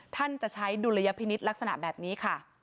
ท่านจะใช้ดุลยพินิษฐ์ลักษณะแบบนี้ค่ะ